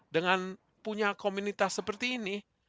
dengan punya komunitas seperti ini